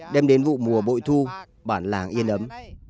đem đến vụ mùa bội thu bản làng yên ấm